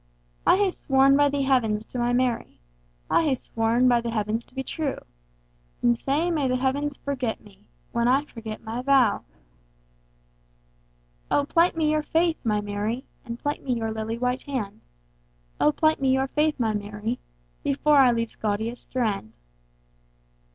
I hae sworn by the Heavens to my Mary,I hae sworn by the Heavens to be true; And sae may the Heavens forget me, When I forget my vow!O plight me your faith, my Mary, And plight me your lily white hand;O plight me your faith, my Mary, Before I leave Scotia's strand.